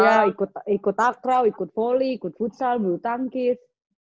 iya ikut takraw ikut volley ikut futsal belu tangkis